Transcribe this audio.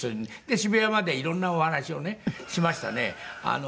渋谷まで色んなお話をねしましたね。